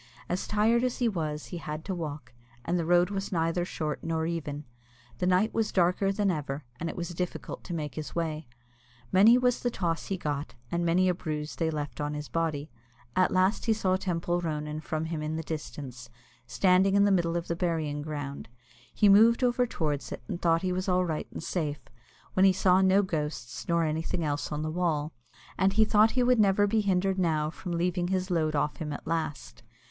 As tired as he was, he had to walk, and the road was neither short nor even. The night was darker than ever, and it was difficult to make his way. Many was the toss he got, and many a bruise they left on his body. At last he saw Teampoll Ronan from him in the distance, standing in the middle of the burying ground. He moved over towards it, and thought he was all right and safe, when he saw no ghosts nor anything else on the wall, and he thought he would never be hindered now from leaving his load off him at last.